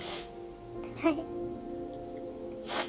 はい。